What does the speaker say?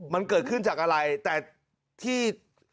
มันเกิดขึ้นจากอะไรแต่ที่